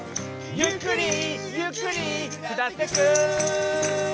「ゆっくりゆっくり下ってく」